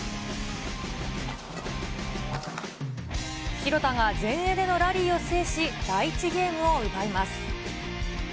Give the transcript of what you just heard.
廣田が前衛でのラリーを制し第１ゲームを奪います。